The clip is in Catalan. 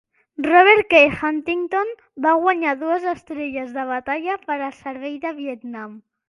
"Robert K. Huntington" va guanyar dues estrelles de batalla per al servei de Vietnam.